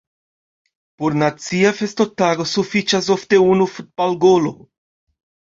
Por nacia festotago sufiĉas ofte unu futbalgolo.